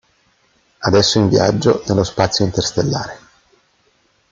Adesso è in viaggio nello spazio interstellare.